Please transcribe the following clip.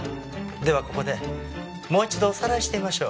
ではここでもう一度おさらいしてみましょう。